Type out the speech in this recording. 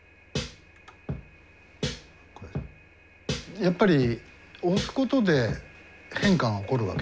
やっぱり押すことで変化が起こるわけじゃないですか。